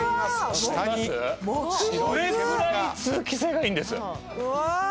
それくらい通気性がいいんです。